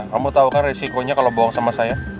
kamu tau kan resikonya kalau bohong sama saya